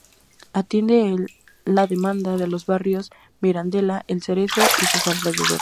Atiende la demanda de los barrios Mirandela, El Cerezo y sus alrededores.